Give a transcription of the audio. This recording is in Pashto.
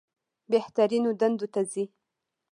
بهترینو دندو ته ځي.